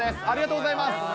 ありがとうございます。